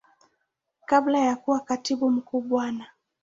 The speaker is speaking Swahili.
Kabla ya kuwa Katibu Mkuu Bwana.